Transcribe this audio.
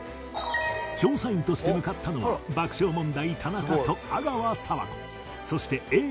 調査員として向かったのは爆笑問題田中と阿川佐和子そして Ａ ぇ！